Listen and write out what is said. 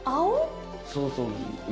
そうそう緑。